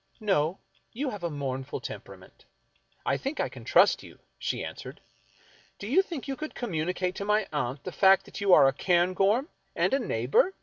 " No ; you have a mournful temperament. I think I can trust you," she answered. " Do you think you could com municate to my aunt the fact that you are a Cairngorm and a neighbor?